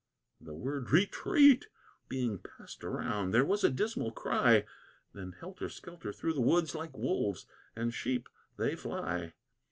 The word "Retreat!" being passed around, there was a dismal cry, Then helter skelter through the woods like wolves and sheep they fly.